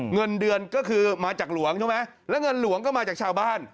เงินเดือนก็คือมาจากหลวงใช่ไหมแล้วเงินหลวงก็มาจากชาวบ้าน